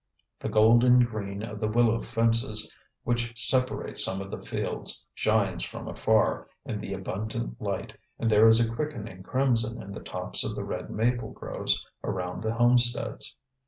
The golden green of the willow fences which separate some of the fields shines from afar in the abundant light and there is a quickening crimson in the tops of the red maple groves around the homesteads.